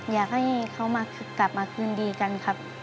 อยากให้เขามากลับมาคืนดีกันครับ